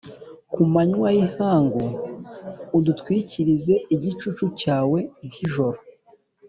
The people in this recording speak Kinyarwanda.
Ku manywa y’ihangu, udutwikirize igicucu cyawe nk’ijoro,